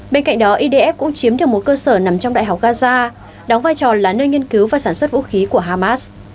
bên cạnh đó idf cũng chiếm được một cơ sở nằm trong đại học gaza đóng vai trò là nơi nghiên cứu và sản xuất vũ khí của hamas